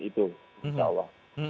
itu insya allah